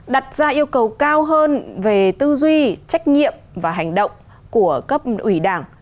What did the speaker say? đặt ra yêu cầu cao hơn về tư duy trách nhiệm và hành động của cấp ủy đảng